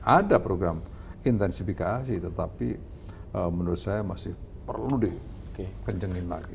ada program intensifikasi tetapi menurut saya masih perlu dikencengin lagi